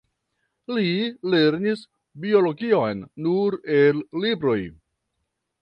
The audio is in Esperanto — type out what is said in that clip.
Li lernis biologion nur el libroj.